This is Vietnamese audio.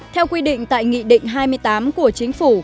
theo quy định tại nghị định hai mươi tám của chính phủ